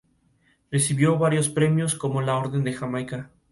Recibió varios premios como la Orden de Jamaica.